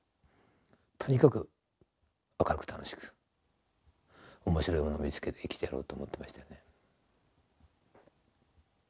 とにかく明るく楽しく面白いものを見つけて生きてやろうと思ってましたよね。